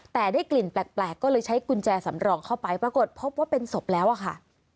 แต่ได้กลิ่นแปลกก็เลยใช้กุญแจสำรองเข้าไปปรากฏพบว่าเป็นศพแล้วอะค่ะ